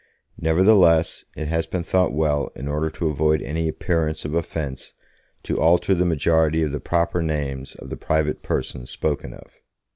Nevertheless, it has been thought well, in order to avoid any appearance of offence, to alter the majority of the proper names of the private persons spoken of.